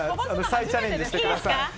再チャレンジしてください。